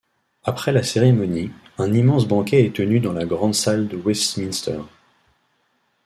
Après la cérémonie, un immense banquet est tenu dans la Grand-Salle de Westminster.